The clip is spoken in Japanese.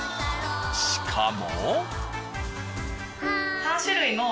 しかも。